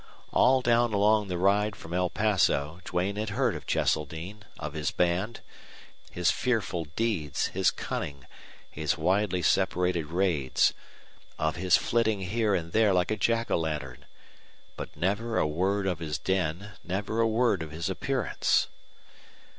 All down along the ride from El Paso Duane had heard of Cheseldine, of his band, his fearful deeds, his cunning, his widely separated raids, of his flitting here and there like a Jack o' lantern; but never a word of his den, never a word of his appearance.